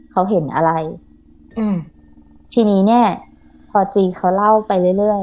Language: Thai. เขาเห็นอะไรอืมทีนี้เนี้ยพอจีเขาเล่าไปเรื่อยเรื่อย